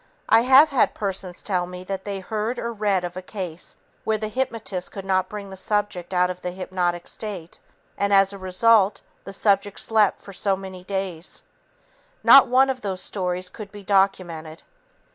_ I have had persons tell me that they heard or read of a case where the hypnotist could not bring the subject out of the hypnotic state, and, as a result, the subject slept for so many days. Not one of the stories could be documented.